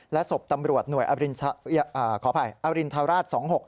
และศพตำรวจหน่วยอบรินทราช๒๖